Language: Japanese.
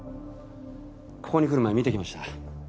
ここに来る前見てきました。